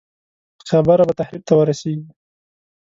خبره به تحریف ته ورسېږي.